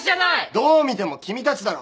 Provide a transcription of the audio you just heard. どう見ても君たちだろ。